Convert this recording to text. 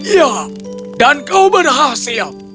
ya dan kau berhasil